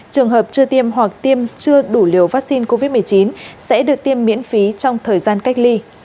trường hợp chưa tiêm hoặc tiêm chưa đủ liều vaccine covid một mươi chín sẽ được tiêm miễn phí trong thời gian cách ly